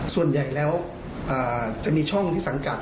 ส่วนใหญ่แล้วจะมีช่องที่สังกัด